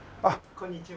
こんにちは。